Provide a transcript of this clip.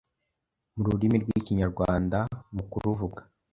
mu rurimi rw’Ikinyarwanda mukuruvuga